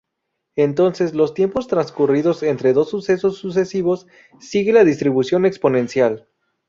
Entonces, los tiempos transcurridos entre dos sucesos sucesivos sigue la distribución exponencial.